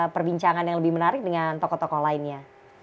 perbincangan yang lebih menarik dengan tokoh tokoh lainnya